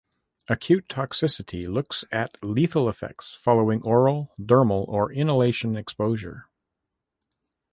Acute toxicity looks at lethal effects following oral, dermal or inhalation exposure.